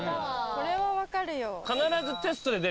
これは分かるよ。